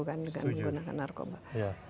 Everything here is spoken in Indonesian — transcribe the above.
dengan menggunakan narkoba